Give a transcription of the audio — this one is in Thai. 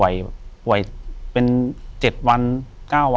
อยู่ที่แม่ศรีวิรัยิลครับ